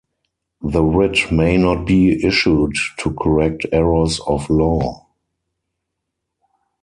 The writ may not be issued to correct errors of law.